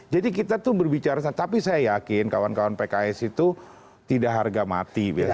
jadi kita tuh berbicara tapi saya yakin kawan kawan pks itu tidak harga mati